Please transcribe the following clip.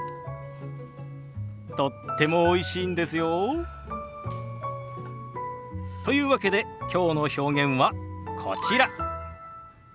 とってもおいしいんですよ。というわけできょうの表現はこちら。